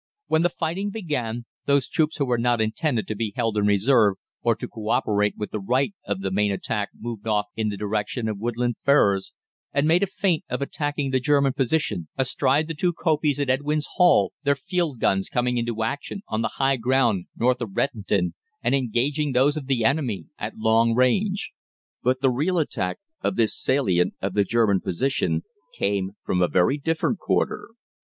"When the fighting began, those troops who were not intended to be held in reserve or to co operate with the right of the main attack moved off in the direction of Woodham Ferrers, and made a feint of attacking the German position astride the two kopjes at Edwin's Hall, their field guns coming into action on the high ground north of Rettendon, and engaging those of the enemy at long range. But the real attack on this salient of the German position came from a very different quarter.